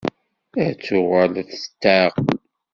Ad tuɣal ad tetεeqqel.